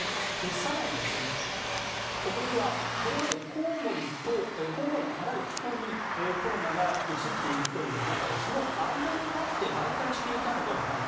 更に、そこではこれまでコウモリからヒトにコロナがうつっていくという中でその間に立って媒介していたのではないか。